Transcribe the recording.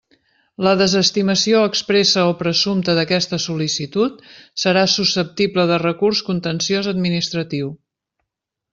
La desestimació expressa o presumpta d'aquesta sol·licitud serà susceptible de recurs contenciós administratiu.